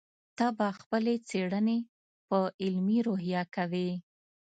ته به خپلې څېړنې په علمي روحیه کوې.